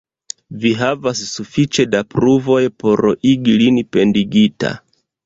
Vi havas sufiĉe da pruvoj por igi lin pendigita.